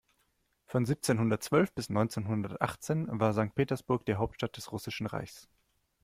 Von siebzehnhundertzwölf bis neunzehnhundertachtzehn war Sankt Petersburg die Hauptstadt des Russischen Reichs.